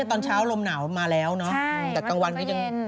ตอนเช้าลมหนาวมาแล้วเนอะแต่กลางวันก็ยัง